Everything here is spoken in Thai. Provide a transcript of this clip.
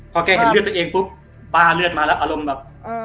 พอแกเห็นเลือดตัวเองปุ๊บป้าเลือดมาแล้วอารมณ์แบบ